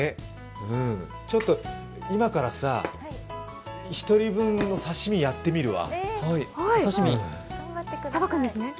今からさ、１人分の刺身やってみるわ。